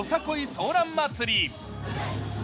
ソーラン祭り